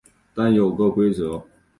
但是有个规则